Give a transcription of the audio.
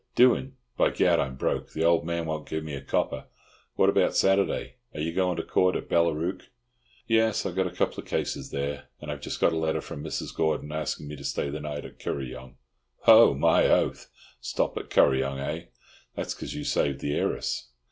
"Doing! By Gad, I'm broke. The old man won't give me a copper. What about Saturday? Are you going to the Court at Ballarook?" "Yes. I've got a couple of cases there. And I've just got a letter from Mrs. Gordon, asking me to stay the night at Kuryong." "Ho! My oath! Stop at Kuryong, eh? That's cause you saved the heiress?